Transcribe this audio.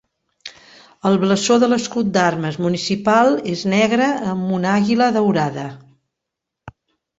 El blasó de l'escut d'armes municipal és negre amb un àguila daurada.